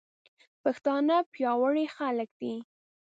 پښتانه پياوړي خلک دي.